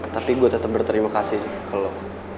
tapi gue tetep berterima kasih ke lo